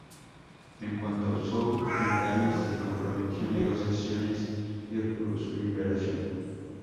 En cuanto Zhou Enlai se comprometió a negociaciones y obtuvo su liberación.